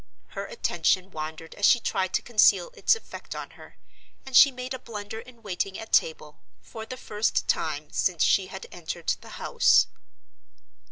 Her attention wandered as she tried to conceal its effect on her; and she made a blunder in waiting at table, for the first time since she had entered the house.